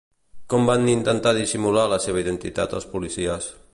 Com van intentar dissimular la seva identitat els policies?